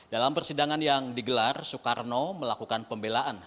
dalam persidangan yang digelar soekarno melakukan pembelaan